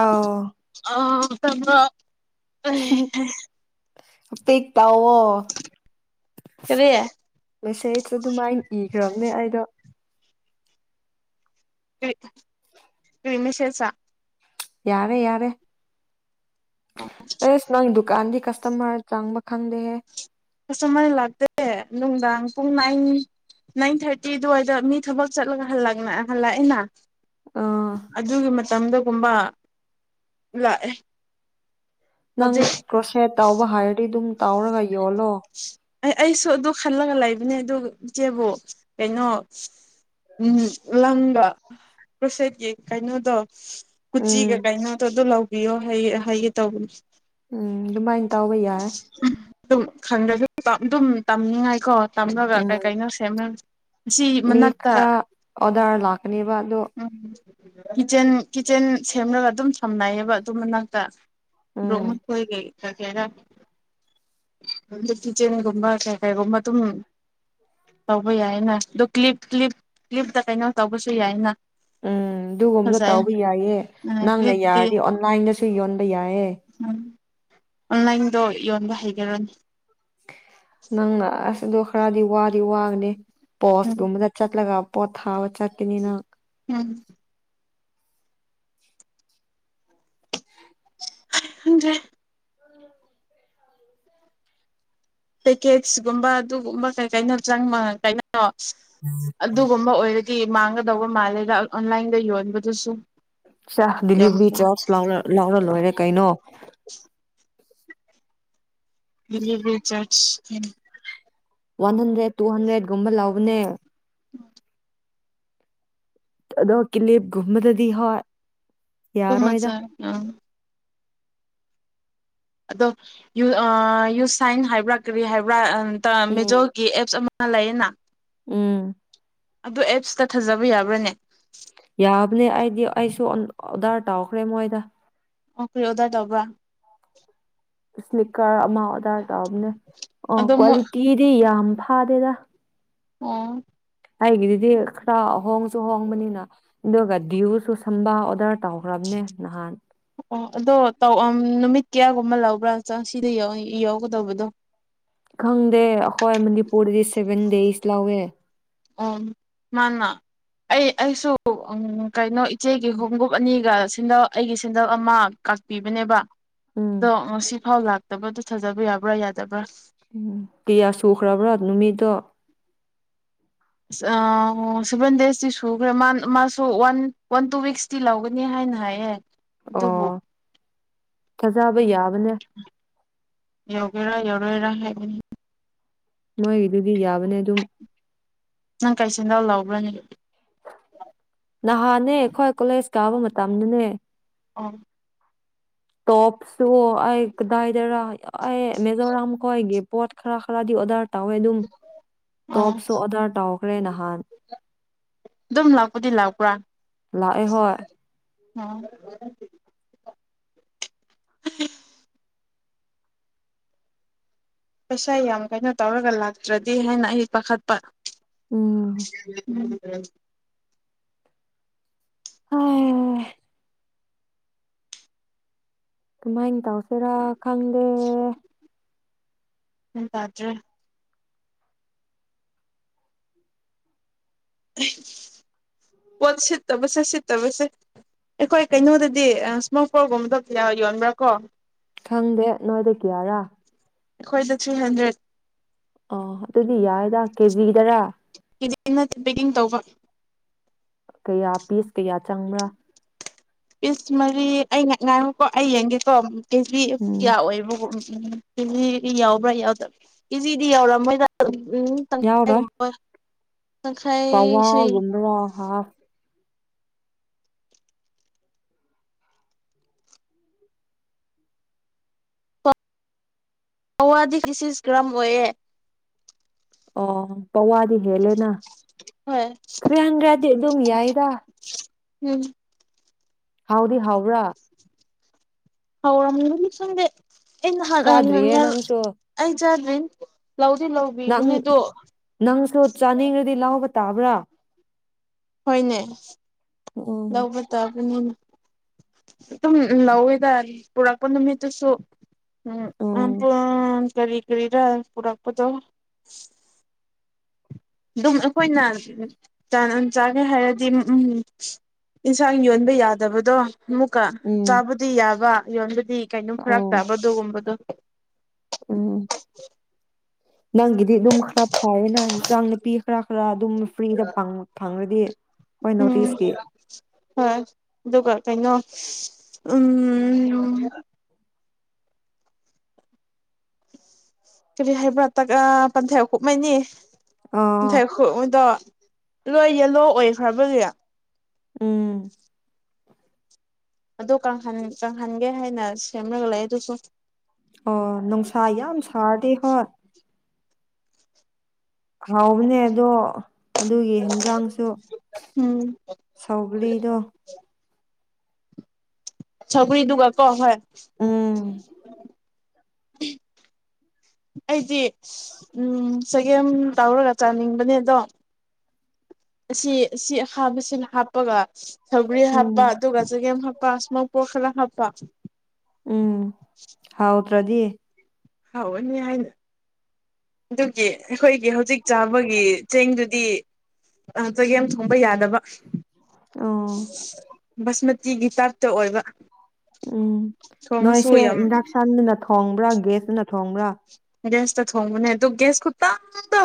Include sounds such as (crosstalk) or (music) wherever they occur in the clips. ꯑꯥꯎ ꯑ ꯇꯝꯕ ꯎ ꯑꯐ ꯇꯥꯛꯑꯣꯣ ꯃꯦꯁꯦꯖ ꯑꯗꯨꯃꯥꯏꯅ ꯏꯈ꯭ꯔꯕꯅꯦ ꯑꯩꯗꯣ ꯀꯅꯁꯦꯁꯥ ꯌꯥꯔꯦ ꯌꯥꯔꯦ ꯑ ꯁꯅꯥꯏꯗꯨ ꯒꯥꯟꯙꯤ ꯀꯁꯇꯃꯔ ꯆꯪꯕ ꯈꯪꯗꯦꯍꯦ ꯀꯇꯃꯥꯏꯅ ꯂꯥꯛꯇꯦ ꯅꯨꯡꯗꯥꯡ ꯄꯨꯡ ꯅꯥꯏꯟ ꯅꯥꯏꯟ ꯊꯥꯔꯇꯤ ꯑꯗꯨꯋꯥꯏꯗ ꯃꯤ ꯊꯕꯛ ꯆꯠꯂꯒ ꯍꯜꯂꯛꯑꯦꯅ ꯑꯥ ꯑꯗꯨꯒꯤ ꯃꯇꯝꯗ ꯊꯝꯕ ꯂ ꯅꯪ ꯀ꯭ꯣꯁꯤ ꯑ ꯑꯣꯕ ꯍꯥꯔ ꯑꯗꯨꯝ ꯇꯥꯎꯔꯒ ꯌꯣꯂꯣ ꯑꯩ ꯑꯩꯁꯨ ꯑꯗꯨ ꯈꯜꯂꯒ ꯂꯩꯕꯅꯦ ꯑꯗꯨ ꯏꯆꯦꯕꯨ ꯀꯩꯅꯣ ꯎ ꯂꯝꯪꯒ ꯀ꯭ꯔꯣꯁꯦꯠꯀꯤ ꯀꯩꯅꯣꯗꯣ ꯎꯝ ꯀꯆꯤꯒ ꯀꯥꯏꯩꯅ ꯇ ꯑꯗꯨ ꯂꯥꯎ ꯄꯕꯤꯌꯣ ꯍ ꯍꯩꯌꯦꯦ ꯇꯧꯕꯅꯦ ꯎꯝ ꯑꯗꯨꯃꯥꯏꯅ ꯇꯥꯎꯕ ꯌꯥꯏ ꯋꯥ ꯑꯗꯨꯝ ꯈꯪꯗ꯭ꯔꯁꯨ ꯑꯗꯨꯝ ꯇꯝꯅꯤꯡꯉꯥꯏꯀꯣ ꯇꯝꯅꯕ ꯀꯩ ꯎꯝ ꯀꯩꯅꯣ ꯁꯦꯝꯅꯕ ꯃꯤ ꯈꯔꯥ ꯑꯣꯗꯔ ꯂꯥꯛꯀꯅꯦꯕ ꯑꯗꯨꯣ ꯀꯤꯠꯆꯦꯟ ꯀꯤꯠꯆꯦꯟ ꯁꯦꯝꯂꯒ ꯑꯗꯨꯝ ꯁꯝꯅꯩꯌꯦꯕ ꯑꯗꯨ ꯃꯅꯥꯛꯇ ꯎꯝ ꯔꯣꯍꯟ ꯍꯣꯏꯒꯩ ꯀꯗ ꯑ ꯀꯤꯆꯦꯟꯒꯨꯝꯕ ꯀꯩ ꯀꯩꯒꯨꯝꯕ ꯑꯗꯨꯝ ꯇꯧꯕ ꯌꯥꯏꯅ ꯑ ꯀ꯭ꯂꯤꯞ ꯀ꯭ꯞ ꯀ꯭ꯂꯤꯞꯇ ꯀꯩꯅꯣ ꯇꯧꯕꯁꯨ ꯌꯥꯏꯅ ꯎꯝ ꯑꯗꯨꯒꯨꯝꯕꯗ ꯐꯖꯩ ꯇꯧꯕ ꯌꯥꯏꯌꯦ ꯑ ꯅꯪꯅ ꯀ꯭ꯂꯤꯞꯇꯨꯗꯤ ꯌꯥꯔꯗꯤ ꯑꯣꯟꯂꯥꯏꯟꯗꯁꯨ ꯌꯣꯟꯕ ꯌꯥꯏꯌꯦ ꯎꯝ ꯑꯣꯟꯂꯥꯏꯟꯗꯣ ꯌꯣꯟꯕ ꯍꯩꯈꯔꯅꯤ ꯅꯪꯅ ꯑꯁꯗꯣ ꯈꯔꯗꯤ ꯋꯥ ꯋꯥꯒꯅꯦ ꯎꯝ ꯄꯣꯁꯒꯃ ꯆ ꯌꯥꯆꯠꯂꯒ ꯄꯊꯥ ꯆꯠꯅꯤꯅ ꯎꯝ (unintelligible) ꯄꯦꯀꯦꯠꯁꯀꯨꯝꯕ ꯑꯗꯨꯒꯨꯝꯕ ꯀꯩ ꯀꯥꯏꯩꯅ ꯆꯪ ꯀ ꯑ ꯑꯗꯨꯒꯨꯝꯕ ꯑꯣꯏꯔꯒ ꯁꯤꯤ ꯃꯥꯡꯒꯗꯧꯕ ꯃꯥꯜꯂꯦꯗ ꯑꯣꯟꯂꯥꯏꯟꯗ ꯌꯣꯟꯕꯗꯨꯁꯨ ꯆ ꯌꯥꯝ ꯗꯤꯂꯤꯚꯔꯤ ꯆꯥꯔꯖ ꯂꯥꯎꯔ ꯂꯣꯏꯔꯦ ꯀꯩꯅꯣ ꯦ ꯆꯔꯖ ꯋꯥꯟ ꯍꯟꯗ꯭ꯔꯦꯠ ꯇꯨ ꯍꯟꯗ꯭ꯔꯦꯠꯀꯨꯝꯕ ꯂꯧꯕꯅꯦ ꯎ ꯑꯗꯣ ꯀꯜꯂꯤꯞ ꯨꯃꯗꯗꯤ ꯍꯣꯏ ꯑꯗꯨ ꯌꯥꯔꯣꯏꯗ ꯃꯖ ꯑ ꯑꯗꯣ ꯌꯨ ꯌꯨ ꯁꯥꯏꯟ ꯍꯥꯏꯕ꯭ꯔꯥ ꯀꯔꯤ ꯍꯥꯏꯕ꯭ꯔꯥ ꯎꯝ ꯃꯦꯖꯣꯒꯤ ꯑꯦꯞꯁ ꯑꯂꯌꯦꯅꯥ ꯎꯝ ꯑꯗꯨ ꯑꯦꯞꯁꯇ ꯊꯥꯖꯕ ꯌꯥꯕ꯭ꯔꯥꯅꯦ ꯌꯥꯕꯅꯦ ꯑꯗꯤ ꯑꯁꯨ ꯇ ꯑꯣꯈꯔꯦ ꯃꯣꯖꯗ ꯑꯣꯈꯣꯏ ꯑꯣꯗ ꯇꯧꯒ ꯁ꯭ꯂꯤꯀꯔ ꯑꯃ ꯑꯣꯗ ꯇꯅꯦ ꯑꯣ ꯑꯗꯣ ꯃꯣꯏ ꯀ꯭ꯋꯥꯂꯤꯇꯤꯗꯤ ꯌꯥꯝꯕ ꯈꯥꯗꯦꯗ ꯑꯣ ꯍꯥꯏꯒꯤꯗꯗꯤ ꯈ ꯍꯣꯡ ꯁꯨ ꯍꯣꯡꯕꯅꯤꯅ ꯑꯗꯨꯒ ꯗꯤꯌꯨꯁꯨ ꯁꯕꯥ ꯑꯣꯗꯔ ꯇꯧꯈ꯭ꯔꯕꯅꯦ ꯅꯍꯥꯟ ꯑꯣ ꯑꯗꯣ ꯇꯧ ꯅꯨꯃꯤꯠ ꯀꯌꯥꯒꯨꯝꯕ ꯂꯧꯕ꯭ꯔꯥ ꯆ ꯁꯤꯗ ꯌꯥꯎꯒꯗꯧꯕꯗꯣ ꯈꯪ ꯍꯣꯏ ꯃꯗꯤ ꯄꯨꯔꯤꯗꯤ ꯁꯦ ꯗꯁ ꯂꯑꯣꯋꯦ ꯑꯣ ꯃꯥꯅ ꯑꯩ ꯑꯩꯁꯨ ꯀꯩꯅꯣ ꯏꯆꯦꯒꯤ ꯍꯣꯒ꯭ꯔꯨꯞ ꯑꯅꯤꯒ ꯁꯦꯟꯗꯜ ꯑꯩꯒꯤ ꯁꯦꯟꯗꯜ ꯑꯃ ꯀꯥꯛꯄꯤꯕꯅꯦꯕ ꯎꯝ ꯗ ꯁꯤꯐꯥꯎ ꯂꯥꯛ ꯇꯃ ꯑꯗꯨ ꯊꯥꯖꯕ ꯌꯥꯕ꯭ꯔꯥ ꯌꯥꯗꯕ꯭ꯔꯥ ꯎꯝ ꯄꯤꯌꯥ ꯁꯨꯈꯔꯕꯔ ꯅꯨꯃꯤꯠꯇ ꯁꯚꯦꯟ ꯗꯦꯖꯇꯤ ꯁꯨꯈ꯭ꯔꯦ ꯃꯥ ꯃꯥꯁꯨ ꯋꯥꯟ ꯋꯥꯟ ꯇꯨ ꯋꯤꯛꯁꯇꯤ ꯂꯧꯒꯅꯤ ꯍꯥꯏꯅ ꯍꯥꯏꯌꯦ ꯑꯣ ꯑꯗꯨꯕꯨ ꯊꯖꯥꯕꯩ ꯃꯅꯦ ꯌꯧꯒꯦꯔꯥ ꯌꯧꯔꯣꯏꯔꯥ ꯍꯥꯏꯕꯅꯤ ꯃꯣꯏꯒꯤꯗꯨꯗꯤ ꯌꯥꯕꯅꯦ ꯑꯗꯨꯝ ꯅꯪ ꯀꯩꯆꯦꯟꯗꯥꯎ ꯂꯧꯕ꯭ꯔꯅꯦ ꯅꯍꯥꯟꯅꯦ ꯑꯩꯈꯣꯏ ꯀꯣꯂꯦꯖ ꯀꯥꯕ ꯃꯇꯝꯗꯅꯦ ꯑ ꯇꯣꯞꯁꯨ ꯑꯩ ꯀꯗꯥꯏꯗꯔꯥ ꯑꯦ ꯃꯦꯖꯣꯔꯥꯝ ꯀꯣ ꯑꯣꯏꯒꯤꯦꯞ ꯄꯣꯠ ꯈꯔꯥ ꯈꯥꯗꯤ ꯑꯣꯔꯗꯔ ꯇꯧꯋꯦ ꯑꯗꯨꯝ ꯑꯣ ꯇꯣꯞꯁꯨ ꯑꯣꯗꯔ ꯇꯧꯈ꯭ꯔꯦ ꯅꯍꯥꯟ ꯑꯗꯨꯝ ꯂꯥꯎꯄꯨꯗꯤ ꯂꯥꯎꯄ꯭ꯔꯥ ꯂꯥꯛꯑꯦ ꯍꯣꯏ ꯑꯝ (unintelligible) ꯄꯩꯁꯥ ꯌꯥꯝ ꯀꯩꯅꯣ ꯇꯧꯔꯒ ꯂꯥꯛꯇ꯭ꯔꯗꯤ ꯍꯥꯏꯅ ꯑꯩ ꯄꯥꯈꯠꯄ ꯎꯝ ꯎꯝ ꯍ ꯀꯃꯥꯏ ꯇꯁꯦꯔꯥ ꯈꯪ ꯎ ꯇꯥꯗ꯭ꯔꯦ ꯄꯣꯠ ꯁꯤꯠꯇꯕꯁꯦ ꯁꯤꯠꯇꯕꯁꯦ ꯑꯩꯈꯣꯏ ꯀꯩꯅꯣꯗꯗꯤ ꯏꯁꯃꯣꯀꯔꯒꯨꯝꯕꯗꯣ ꯌꯣꯟꯕ꯭ꯔꯥ ꯀꯣ ꯈꯪꯗꯦ ꯅꯣꯏꯗ ꯀꯌꯥꯔꯥ ꯑꯩꯈꯣꯏꯗ ꯊ꯭ꯔꯤ ꯍꯟꯗ꯭ꯔꯦꯠ ꯑ ꯑꯗꯨꯗꯤ ꯌꯥꯏꯗ ꯀꯦꯖꯤꯗꯔꯥ ꯏꯟꯅ ꯄꯦꯀꯤꯡ ꯇꯧꯕ ꯀꯌꯥ ꯄꯤꯁ ꯀꯌꯥ ꯆꯪꯕ꯭ꯔꯥ ꯄꯤꯁ ꯃꯔꯤ ꯑꯩ ꯉꯥꯡꯨꯀꯣ ꯑꯩ ꯌꯦꯡꯒꯦꯀꯣ ꯀꯦꯖꯤ ꯎꯝ ꯀꯌꯥ ꯑꯣꯏꯕꯒꯨꯝ ꯎꯝ ꯀꯤꯖꯤ ꯌꯥꯎꯕ꯭ꯔꯥ ꯌꯥꯎꯗ꯭ꯔꯥ ꯀꯤꯖꯤꯗꯤ ꯌꯥꯎꯔꯥ ꯃꯣꯏꯗ ꯎꯝ ꯆꯒ ꯄꯋꯥ ꯝꯕꯔꯥ ꯍꯥꯥ ꯑꯧꯋꯥꯗꯤ ꯀꯁꯤ ꯀ꯭ꯔꯃ ꯑꯣꯏꯌꯦ ꯑꯣ ꯄꯋꯥꯗꯤ ꯍꯦꯜꯂꯦꯅ ꯍꯣꯏ ꯈ꯭ꯔꯪꯒ꯭ꯔꯗꯤ ꯑꯗꯨꯝ ꯌꯥꯏꯗ ꯎꯝ ꯍꯥꯎꯗꯤꯔꯤ ꯍꯧꯥꯎ꯭ꯔꯥ ꯍꯥꯎꯔꯝꯅꯤ ꯈꯪꯗꯦ ꯆꯥꯗ꯭ꯔꯤꯌꯦ ꯅꯪꯁꯨ (unintelligible) ꯆꯗꯔꯤ ꯅꯪ ꯅꯪꯁꯨ ꯆꯥꯅꯤꯡꯉꯗꯤ ꯂꯥꯎꯕ ꯇꯥꯕ꯭ꯔꯥ ꯍꫭꯏꯅꯦ ꯎꯝ ꯂꯧꯕ ꯇꯥꯕꯅꯤꯅ ꯑꯗꯨꯝ ꯂꯧꯋꯦꯗ ꯄꯨꯔꯛꯄ ꯅꯨꯃꯤꯠꯇꯨꯁꯨ ꯎꯝ ꯀꯔꯤ ꯀꯔꯤꯗ ꯄꯨꯔꯛꯄꯗꯣ ꯑꯗꯨꯝ ꯑꯩꯈꯣꯏꯅ ꯆꯥꯒꯦ ꯍꯥꯏꯔꯗꯤꯝ ꯏꯟꯁꯥꯡ ꯌꯣꯟꯕ ꯌꯥꯗꯕꯗꯣ ꯑꯃꯨꯛꯀ ꯎꯝ ꯆꯥꯕꯗꯤ ꯌꯥꯕ ꯌꯣꯟ ꯁꯤ ꯀꯩꯅꯣꯝ ꯐꯔꯛ ꯑꯣ ꯇꯥꯕꯗꯣꯒꯨꯝꯕꯗꯣ ꯎꯝ ꯅꯪꯒꯤꯗꯤ ꯑꯗꯨꯝ ꯈꯔ ꯐꯥꯏꯔ ꯅ ꯆꯥꯡ ꯄꯤꯈꯔꯥ ꯈꯔꯥꯗ ꯑꯗꯨꯝ ꯐ꯭ꯔꯤꯗ ꯐꯪꯉ꯭ꯔꯗꯤ ꯎꯝ ꯍꯣꯏ ꯑꯗꯨꯒꯒ ꯀꯩꯅꯩꯅꯣ ꯎꯝ ꯀꯔꯤ ꯍꯥꯏꯩꯕ꯭ꯔꯥꯠꯇ ꯄꯟꯊꯦꯜ ꯀꯨꯞꯃꯅꯤ ꯑꯥ (unintelligible) ꯂꯣꯏ ꯌꯦꯂꯣ ꯑꯣꯏꯈ꯭ꯔꯕꯅꯦ ꯎꯝ ꯑꯗꯨꯍ ꯀꯪꯍꯟꯒꯦ ꯍꯥꯏꯅ ꯁꯦꯝꯂꯒ ꯂꯩ ꯑꯗꯨꯁꯨ ꯑꯣ ꯅꯨꯡꯁꯥ ꯌꯥꯝ ꯁꯥꯔꯗꯤꯦ ꯍꯣꯏ ꯍꯥꯎꯅꯦ ꯑꯗꯣ ꯑꯗꯨꯒꯤ ꯌꯦꯟꯖꯥꯡꯁꯨ ꯎꯝ ꯁꯧꯒ꯭ꯔꯤꯗꯣ ꯁꯧꯒꯔꯤ ꯗꯨꯒ ꯀꯣ (unintelligible) ꯎꯝ ꯑꯩꯗꯤ ꯎꯝ ꯆꯒꯦꯝ ꯇꯧꯔꯒ ꯆꯥꯅꯤꯡꯕꯅꯦ ꯑꯗꯣ ꯑꯁꯤ ꯁꯤ ꯑꯁꯥꯕꯁꯤꯅ ꯍꯥꯞꯄꯒ ꯁꯧꯒꯔꯤ ꯎꯝ ꯍꯥꯞꯄ ꯑꯗꯨꯒ ꯆꯒꯦꯝ ꯍꯥꯞꯄ ꯃꯄꯣꯛ ꯈꯔ ꯍꯥꯞꯄ ꯎꯝ ꯍꯥꯎ ꯠꯇ꯭ꯔꯗꯤ ꯍꯧꯅꯤ ꯍꯥꯏꯅ ꯑꯗꯨꯒꯤ ꯑꯩꯈꯣꯏꯒꯤ ꯍꯧꯖꯤꯛ ꯆꯥꯕꯒꯤ ꯆꯦꯡꯗꯨꯗꯤ ꯆꯒꯦꯝ ꯊꯣꯡꯕ ꯌꯥꯗꯕ ꯑ ꯕꯥꯁꯃꯇꯤꯒꯤ ꯇꯥꯏꯞꯇ ꯑꯣꯏꯕ ꯎꯝ ꯊꯣꯡꯉꯁꯨ ꯅꯣꯏꯁꯦ ꯌꯥꯝ ꯏꯟꯗꯁꯟꯅ ꯊꯣꯡꯕ꯭ꯔꯥ ꯒꯦꯁꯇꯅ ꯊꯣꯡꯕ꯭ꯔꯥ ꯦꯁꯇ ꯊꯣꯡꯕꯅꯦ ꯇ ꯒꯁ ꯈꯨꯠꯇꯗ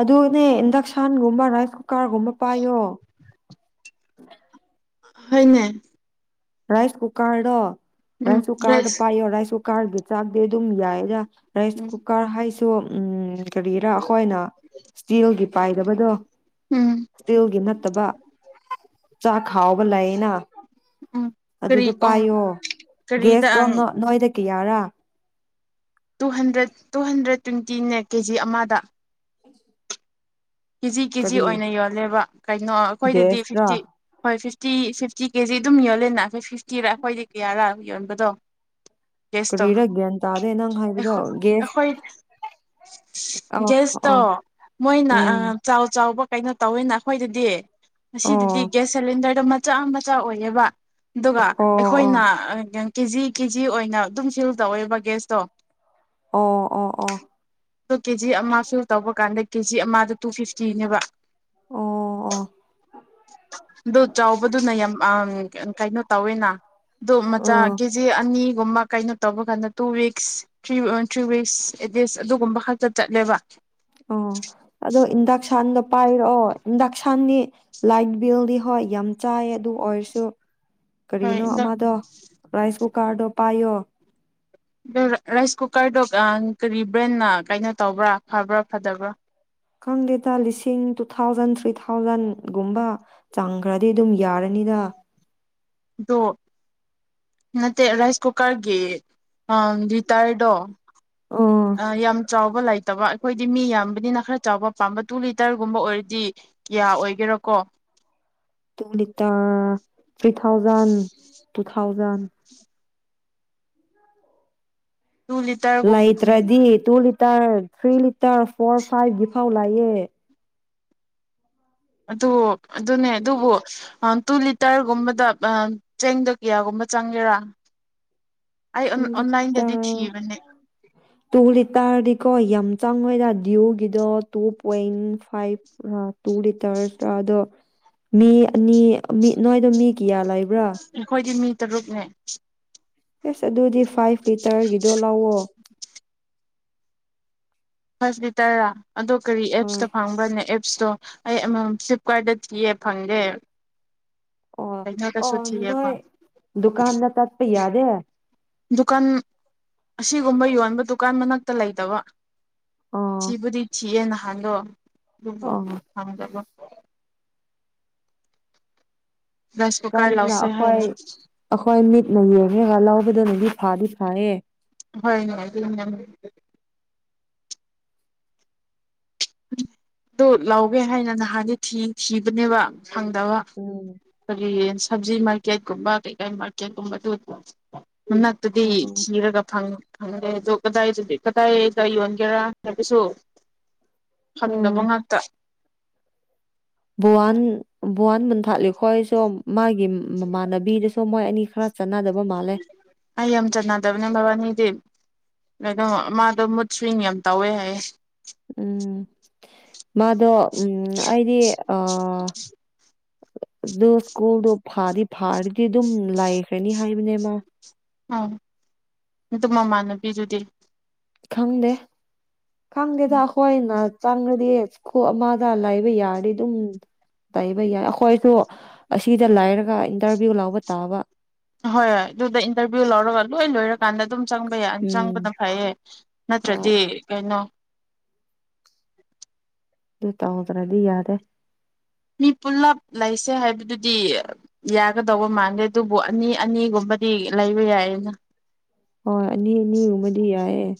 ꯑꯗꯨꯅꯦ ꯏꯟꯗꯁꯥꯟꯒꯨꯝꯕꯥ ꯔ ꯀꯥꯔꯒꯨꯝꯕ ꯄꯥꯏꯌꯣ (unintelligible) ꯍꯅꯦ ꯔꯥꯏꯁ ꯀꯨꯀꯔꯗꯣ ꯎꯝ ꯔꯥꯏꯁꯣ ꯀꯥꯗ ꯒ꯭ꯌꯥꯁ ꯄꯥꯏꯌ ꯔꯥꯏꯁꯣ ꯀꯥꯔꯒꯤ ꯆꯥꯛꯗꯦ ꯑꯗꯨꯝ ꯌꯥꯏꯔ ꯔꯥꯏꯁ ꯎꯝ ꯀꯨꯀꯔ ꯍꯥꯏꯁ ꯁꯣ ꯎꯝ ꯀꯔꯤꯒꯤꯔꯥ ꯑꯩꯈꯣꯏꯅ ꯏꯁꯇꯤꯜꯒꯤ ꯄꯥꯏꯗꯕꯗꯣ ꯎꯝ ꯏꯁꯇꯤꯜꯒꯤ ꯅꯠꯇꯕ ꯆꯥꯛ ꯈꯕ ꯂꯥꯏꯦꯅ ꯎꯝ ꯀꯔꯤ ꯑꯗꯨꯗꯣ ꯄꯥꯏꯌꯣ ꯀꯔꯤꯗ ꯒꯦꯁꯇꯣ ꯅꯣꯏꯗ ꯀꯌꯥꯔꯥ ꯇꯨ ꯍꯟꯗ꯭ꯔꯦꯠ ꯇꯨ ꯍꯟꯗ꯭ꯔꯦꯠ ꯇ꯭ꯋꯦꯟꯇꯤꯅꯦ ꯀꯦꯖꯤ ꯑꯃꯗ ꯀꯦꯖꯤ ꯀꯦꯖꯤ ꯀꯔꯤ ꯑꯣꯏꯅ ꯌꯣꯜꯂꯦꯕ ꯀꯩꯅꯣ ꯑꯩꯈꯣꯏꯗꯗꯤ ꯒ꯭ꯌꯥꯁꯔꯥ ꯐꯤꯐꯇꯤ ꯍꯣꯏ ꯐꯤꯐꯤ ꯐꯤꯐꯇꯤ ꯐꯤꯐꯇꯤ ꯀꯦꯖꯤ ꯑꯗꯨꯝ ꯌꯣꯂꯦꯅ ꯑꯩꯣꯏ ꯐꯤꯐꯇꯤꯔ ꯑꯩꯈꯣꯏꯗꯤ ꯀꯌꯥꯔꯥ ꯌꯣꯟꯕꯗꯣ ꯦꯁꯇꯣ ꯀꯔꯤꯔꯥ ꯒ꯭ꯌꯥꯟ ꯇꯥꯗꯦ ꯅꯪ ꯍꯥꯏꯕꯗꯣ ꯒ꯭ꯌꯥꯁ ꯑꯩꯈꯣꯏ ꯑ ꯦꯁꯇꯣ ꯑ ꯃꯣꯏ ꯎꯝ ꯆꯥꯎ ꯆꯥꯎꯕ ꯀꯩꯅꯣ ꯇꯧꯋꯦꯅ ꯑꯩꯈꯣꯏꯗꯗꯤ ꯑꯣ ꯁꯗꯤꯒ꯭ꯁ ꯁꯤꯂꯤꯗꯔ ꯃ ꯆꯆꯥ ꯃꯆꯥ ꯑꯣꯏꯌꯦꯕ ꯑꯗꯨꯒ ꯑꯣ ꯑꯩꯈꯣꯏꯅ ꯑꯣ ꯀꯦ ꯖꯤ ꯀꯦ ꯖꯤ ꯑꯣꯏꯅ ꯑꯗꯨꯝ ꯁꯤꯜ ꯇꯧꯋꯦꯕ ꯒꯦꯁꯇꯣ ꯑꯣ ꯑꯣ ꯑꯣ ꯑ ꯀꯦ ꯖꯤ ꯑꯃꯁꯨ ꯇꯧꯕ ꯀꯥꯟꯗ ꯀꯦꯖꯤ ꯑꯃꯗꯨ ꯇꯨ ꯐꯤꯐꯇꯤꯅꯦꯕ ꯑꯣ ꯑꯗꯨꯣ ꯆꯥꯎꯕꯗꯨꯅ ꯌꯥꯝ ꯑ ꯀꯩꯅꯣ ꯇꯧꯋꯦꯅ ꯑꯗꯨꯗꯨ ꯃꯆꯥ ꯑꯣ ꯀꯦꯖꯤ ꯑꯅꯤ ꯨꯝꯕ ꯀꯩꯅꯣ ꯇꯧꯕ ꯀꯥꯟꯗ two weeks three three weeks at least ꯑꯗꯨꯒꯨꯝꯕ ꯈꯛꯇ ꯆꯠꯂꯦꯕ ꯑ ꯑꯗꯣ ꯏꯟ ꯁꯥꯟꯗꯒ ꯄꯥꯏꯔꯛꯑꯣ ꯏꯟꯗꯛꯁꯟꯅꯤ ꯂꯥꯏꯠ ꯕꯤꯜꯗꯤ ꯍꯣꯏ ꯌꯥꯝ ꯆꯥꯏꯌꯦ ꯑꯗꯨ ꯑꯣꯏꯔꯁꯨ ꯍꯣꯏ ꯀꯔꯤꯅꯣ ꯑꯗꯣ ꯑꯃꯗꯣ ꯔꯥꯏꯁ ꯀꯨꯀꯔꯗꯣ ꯄꯥꯏꯣ ꯔꯥꯏꯁ ꯀꯨꯀꯔꯗꯣ ꯀꯔꯤ ꯕ꯭ꯔꯦꯟꯅ ꯀꯩꯅꯣ ꯇꯧꯕ꯭ꯔꯥ ꯐꯕ꯭ꯔꯥ ꯐꯗꯕ꯭ꯔꯥ ꯈꯪꯗꯦꯗ ꯂꯤꯁꯤꯡ ꯇꯨ ꯊꯥꯎꯖꯟ ꯊ꯭ꯔꯤ ꯊꯥꯎꯖꯟꯒꯨꯝꯕ ꯆꯪꯈ꯭ꯔꯗꯤ ꯑꯗꯨꯝ ꯌꯥꯔꯅꯤꯗ ꯑꯗꯣ ꯅꯠꯇꯦ ꯔꯥꯏꯁ ꯀꯨꯀꯔꯒꯤ ꯂꯤꯇꯔꯗꯣ ꯑꯥ ꯑ ꯌꯥꯝ ꯆꯥꯎ ꯂꯩꯇꯕ ꯑꯩꯈꯣꯏꯗꯤ ꯃꯤ ꯌꯥꯝꯕꯅꯤꯅ ꯈꯔ ꯆꯥꯎꯕ ꯄꯥꯝꯕ ꯇꯨ ꯂꯤꯇꯔꯒꯨꯝꯕ ꯑꯣꯏꯔꯗꯤ ꯀꯌꯥ ꯑꯣꯏꯒꯦꯔꯀꯣ two litre three thousand two thousand two ꯂꯤꯇꯔꯒꯨꯝ ꯂꯥꯏꯇ꯭ꯔꯗꯤ ꯇꯨ ꯇ ꯐ꯭ꯔꯤ ꯂꯤ ꯏꯁꯇꯥꯔ ꯐꯣꯔ ꯐꯥꯏꯚꯒꯤ ꯐꯥꯎ ꯂꯥꯛꯑꯦ ꯑꯗꯨ ꯑꯗꯨꯅꯦ ꯑꯗꯨꯕꯨ ꯇꯨ ꯂꯤꯇꯔꯒꯨꯝꯕꯗ ꯆꯦꯡꯗ ꯀꯌꯥꯒꯨꯝꯕ ꯆꯪꯒꯦꯔꯥ ꯑꯩ ꯇꯨꯡ ꯇ ꯑꯣꯟꯂꯥꯏꯟꯗꯗꯤ ꯊꯤꯕꯅꯦ ꯇꯨꯡ ꯂꯤ ꯇꯥꯗꯤ ꯀꯣ ꯌꯥꯝ ꯆꯪꯉꯣꯏꯗ ꯗꯗꯤꯌꯎꯒꯤꯗꯣ two point five two litres ꯑꯗꯣ ꯃꯤ ꯑꯅꯤ ꯅꯣꯏꯗꯣ ꯃꯤ ꯀꯌꯥ ꯂꯩꯕ ꯈꯣꯏꯗꯤꯃꯤ ꯔꯨꯛꯅꯦ ꯌꯦꯁ ꯑꯗꯨꯗꯨꯗꯤ ꯐꯥꯏꯚ ꯂꯤꯇꯔꯒꯤꯗꯣ ꯂꯥꯛꯑꯣ ꯍꯁꯕꯤꯇꯥꯔ ꯑꯗꯣ ꯀꯔꯤ ꯎꯝ ꯑꯦꯞꯁꯇ ꯐꯪꯕ꯭ꯔꯅꯦ ꯏꯁꯇꯣ ꯑꯩ ꯐ꯭ꯂꯤꯞꯀꯥꯔꯗꯠꯇ ꯊꯤꯌꯦꯦ ꯐꯪꯗꯦ ꯀꯩꯅꯣꯗꯁꯨ ꯑꯣ ꯊꯤꯌꯦꯕ ꯅꯣꯏ ꯗꯨꯀꯥꯟꯗ ꯇꯠ ꯄꯩ ꯌꯥꯗ ꯗꯨꯀꯥꯟ ꯑꯁꯤꯒꯨꯝꯕ ꯌꯣꯟꯕ ꯗꯨꯀꯥꯟ ꯃꯅꯥꯛꯇ ꯂꯩꯗꯕ ꯑꯣ ꯁꯤꯕꯤ ꯊꯤ ꯍꯪꯗꯣ ꯑꯣ ꯂꯕꯣꯗꯕ ꯔꯥꯏꯁ ꯀꯨꯀꯔ ꯀꯥꯟꯗꯅ ꯂꯧꯁꯦ ꯑꯩꯈꯣꯏ ꯍꯥꯏꯅ ꯑꯩꯈꯣꯏ ꯃꯤꯠꯅꯌꯦ ꯒ ꯂ ꯇ ꯅꯗꯤ ꯐꯥꯗꯤ ꯐꯥꯌꯦ ꯍꯣꯏꯅꯦ ꯑꯗꯨ ꯂꯥꯎꯒꯦ ꯍꯥꯏꯅ ꯅꯍꯥꯟꯗꯤ ꯊꯤ ꯊꯤꯕꯅꯦꯕ ꯐꯪꯗꯕ ꯎꯝ ꯀꯔꯤ ꯁꯕꯖꯤ ꯃꯥꯔꯀꯦꯠ ꯀꯨꯝꯕ ꯀꯩꯀꯥ ꯃꯥꯔꯀꯦꯠꯀꯨꯝꯕꯗꯨ ꯃꯅꯥꯛꯇꯗꯤ ꯎꯝ ꯊꯤꯔꯒ ꯐꯪꯗꯦ ꯑꯣ ꯀꯗꯥꯏꯗ ꯀꯗꯥꯏꯗ ꯌꯣꯟꯒꯦꯔꯥ ꯍꯥꯏꯕꯁꯨ ꯎꯝ ꯈꯪꯗꯕ ꯉꯥꯛꯇ ꯕꯨꯍꯟ ꯕꯨꯍꯟ ꯃꯟ ꯊꯥꯂꯤꯈꯣꯏꯁꯨ ꯃꯥꯒꯤ ꯃꯃꯥꯟꯅꯕꯤꯗꯁꯨ ꯃꯣꯏ ꯑꯅꯤ ꯈꯔ ꯆꯥꯟꯅꯗꯕ ꯃꯥꯜꯂꯦ ꯀꯗꯝ ꯃꯥꯗꯣ ꯃꯨꯠ ꯁ꯭ꯋꯤꯡ ꯌꯥꯝ ꯇꯧꯋꯦ ꯍꯥꯏꯌꯦ ꯃꯥꯗ ꯎꯝ ꯑꯩꯗꯤ ꯑ ꯑꯗꯨ ꯁ꯭ꯀꯨꯜꯗꯣ ꯐꯥꯗꯤ ꯐꯥꯔꯗꯤ ꯑꯗꯨꯝ ꯂꯩꯥꯏꯈ꯭ꯔꯅꯤ ꯍꯥꯏꯕꯅꯦꯃ ꯎꯝ ꯑꯗꯨ ꯃꯃꯥꯟꯅꯕꯤꯗꯨꯗꯤ ꯈꯪꯗꯦ ꯈꯥꯡꯒꯦꯗꯈꯣꯣꯏ ꯅ ꯆꯪꯉꯗꯤꯀꯣꯛ ꯑꯃꯗ ꯂꯥꯏꯕ ꯌꯥꯔꯗꯤ ꯑꯗꯨꯝ ꯇꯥꯏꯕ ꯌꯥꯏ ꯑꯩꯈꯣꯏꯁꯨ ꯑꯁꯤꯗ ꯂꯥꯏꯔꯒ ꯍꯣꯏ ꯍꯣꯏ ꯑꯗꯨꯗ ꯏꯟꯇꯔꯚꯤꯌꯨ ꯂꯧꯔꯒ ꯂꯣꯏ ꯂꯣꯏꯔꯀꯥꯟꯗ ꯑꯗꯨꯝ ꯆꯪꯕ ꯌꯥ ꯎꯝ ꯆꯪꯕꯅ ꯐꯩꯌꯦ ꯍꯣꯏ ꯅꯠꯇ꯭ꯔꯗꯤ ꯀꯩꯅꯣ ꯑꯗꯨ ꯇ ꯇꯔꯥꯗꯤ ꯌꯥꯗꯦ ꯃꯤ ꯄꯨꯂꯞ ꯂꯩꯁꯦ ꯍꯥꯏꯕꯗꯨꯗꯤ ꯌꯥꯒꯗꯧꯕ ꯃꯥꯟꯗꯦ ꯑꯗꯨꯕꯨ ꯑꯅꯤ ꯑꯅꯤꯒꯨꯝꯕꯗꯤ ꯂꯩꯕ ꯌꯥꯏꯌꯦꯅ ꯍꯣꯏ ꯑꯅꯤ ꯑꯅꯤꯒꯨꯝꯕꯗꯤ ꯌꯥꯏꯌꯦꯦ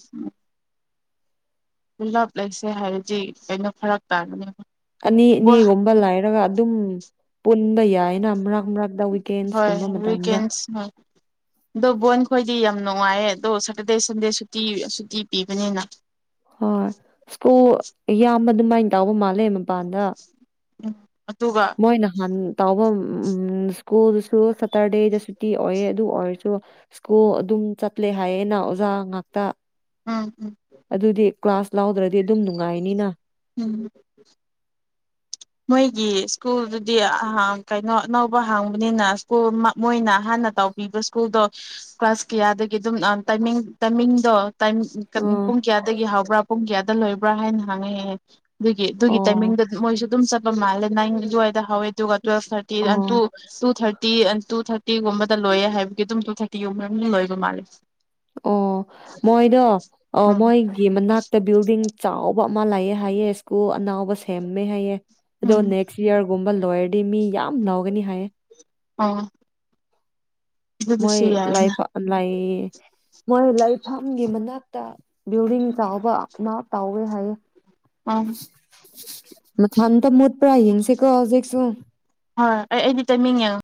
ꯄꯨꯜꯂꯞ ꯂꯩꯁꯦ ꯍꯥꯏꯔꯗꯤ ꯀꯩꯅꯣ ꯐꯔꯛ ꯇꯥꯕꯅꯦꯕ ꯑꯅꯤ ꯑꯅꯤꯒꯨꯝꯕ ꯂꯥꯏꯔꯒ ꯑꯗꯨꯝ ꯄꯨꯟꯕ ꯌꯥꯏꯅ ꯑꯃꯛ ꯍꯣꯏ ꯋꯀꯦꯟ ꯈ ꯗꯤ ꯌꯥꯝ ꯅꯨꯡꯉꯥꯏꯌꯦ ꯑꯗꯣ ꯁꯦꯇꯔꯗꯦ ꯁꯟꯗꯦ ꯁꯨꯇꯤ ꯁꯨꯇꯤ ꯄꯤꯕꯅꯤꯅ ꯍ ꯁꯀꯨ ꯌꯥꯝ ꯃ ꯑꯗꯨꯃꯥꯏꯅ ꯇꯥꯎꯕ ꯃꯥꯜꯂꯦ ꯄꯗ ꯎꯝ ꯑꯗꯨꯒ ꯃꯣꯏꯅ ꯍꯥꯅꯨ ꯇꯥꯎꯕ ꯎꯝ ꯁ꯭ꯀꯨꯜꯗꯨꯁꯨ ꯁꯇꯔꯗꯦꯗ ꯁꯨꯇꯤ ꯑꯣꯏꯑ ꯑꯗꯨ ꯑꯣꯏꯔꯁꯨ ꯁ꯭ꯀꯨꯜ ꯑꯗꯨꯝ ꯆꯠꯂꯦ ꯍꯥꯏꯌꯦꯅ ꯑꯣꯖꯥ ꯉꯥꯛꯇ ꯎꯝ ꯎꯝ ꯑꯗꯨꯗꯤ ꯀ꯭ꯂꯥꯁ ꯂꯥꯎꯗ꯭ꯔꯗꯤ ꯑꯗꯨꯝ ꯅꯨꯡꯉꯥꯏꯅꯤꯅ ꯎꯝ ꯃꯣꯏꯒꯤ ꯁ꯭ꯀꯨꯜꯗꯨꯗꯤ ꯀꯩꯅꯣ ꯑꯅꯧꯕ ꯍꯥꯡꯕꯅꯤꯅ ꯁ꯭ꯀꯨꯜ ꯃꯣꯏꯅ ꯍꯥꯟꯅ ꯇꯧꯕꯤꯕ ꯁ꯭ꯀꯨꯜꯗꯣ ꯀ꯭ꯂꯥꯁ ꯀꯌꯥꯗꯒꯤ ꯑꯗꯨꯝ ꯇꯥꯏꯃꯤꯡ ꯇꯥꯏꯃꯤꯡꯗꯣ ꯇꯥꯏꯝ ꯑꯣ ꯄꯨꯡ ꯀꯌꯥꯗꯒꯤ ꯍꯕ꯭ꯔꯥ ꯄꯨꯡ ꯀꯌꯥꯗ ꯂꯣꯏꯕ꯭ꯔꯥ ꯍꯥꯏꯅ ꯍꯪꯉꯛꯑꯦꯍꯦ ꯑꯗꯨꯒꯤ ꯑꯗꯨꯒꯤ ꯑꯣ ꯇꯥꯏꯃꯤꯡꯗꯗꯤ ꯃꯣꯏꯁꯨ ꯑꯗꯨꯝ ꯆꯠꯄ ꯃꯥꯜꯂꯦ ꯅꯪ ꯑꯗꯨꯋꯥꯏꯗ ꯍꯥꯎꯋꯦ ꯑꯗꯨꯒ ꯇꯨꯋ ꯊꯔꯇꯤ ꯑꯣ two two thirty forty two ꯊꯥꯔꯇꯤꯒꯨꯝꯕꯗ ꯂꯣꯏꯌꯦ ꯍꯥꯏꯕꯒꯤ ꯑꯗꯨꯝ ꯇꯨ ꯊꯥꯔꯇꯤꯒꯨꯝꯕꯝ ꯂꯣꯏꯕ ꯃꯥꯜꯂꯦ ꯑꯣ ꯃꯣꯏꯗꯣ ꯎꯝ ꯃꯣꯏꯒꯤ ꯃꯅꯥꯛꯇ ꯕꯤꯜꯗꯤꯡ ꯆꯥꯎ ꯑꯕ ꯑꯃ ꯂꯥꯛꯑꯦ ꯍꯥꯏꯑꯌꯦ ꯁ꯭ꯀꯨꯜ ꯑꯅꯥꯎꯕ ꯁꯦꯝꯃꯦ ꯍꯥꯏꯑ ꯑꯗꯣ ꯎꯝ ꯅꯦꯛꯁ ꯏꯌꯥꯔꯒꯨꯝꯕꯂ ꯑꯗꯨ ꯑꯣꯏꯔꯗꯤ ꯃꯤ ꯌꯥꯝ ꯥꯎꯒꯅꯤ ꯍꯥꯏꯌꯦ ꯑꯥ ꯃꯣꯏ ꯂꯥꯏ ꯂꯥꯏ ꯃꯣꯏ ꯂꯩꯐꯝꯒꯤ ꯃꯅꯥꯛꯇ ꯕꯤꯜꯗꯤꯡ ꯆꯥꯎꯕ ꯑꯅꯥ ꯇꯧꯋꯦ ꯍꯥꯏꯌꯦ ꯎꯝ ꯃ ꯊꯟꯗ ꯃ ꯄꯨꯔꯥ ꯍꯤꯡꯡꯁꯦꯀꯣ ꯍꯧꯖꯤꯦꯛꯁꯨ ꯍꯣꯏ ꯑꯩ ꯑꯩꯗꯤ ꯇꯥꯏꯃꯤꯡ ꯌꯦꯡꯉꯣ